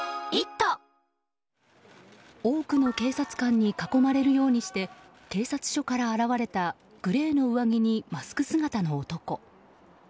多くの警察官に囲まれるようにして警察署から現れたグレーの上着にマスク姿の男。